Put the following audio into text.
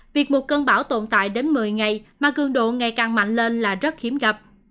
việc một cơn bão tồn tại đến một mươi ngày mà cường độ ngày càng mạnh lên là rất hiếm gặp